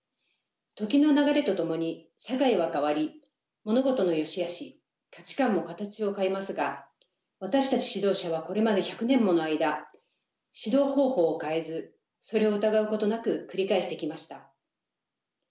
時の流れとともに社会は変わり物事の善しあし価値観も形を変えますが私たち指導者はこれまで１００年もの間指導方法を変えずそれを疑うことなく繰り返してきました。